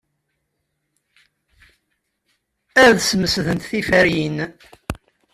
Ad smesdent tiferyin.